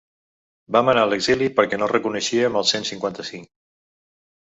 Vam anar a l’exili perquè no reconeixíem el cent cinquanta-cinc.